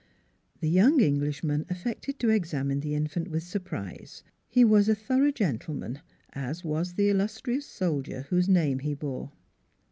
The young Englishman affected to examine the infant with surprise. He was a thorough gentle man, as was the illustrious soldier whose name he bore.